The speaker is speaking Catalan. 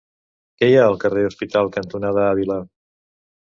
Què hi ha al carrer Hospital cantonada Àvila?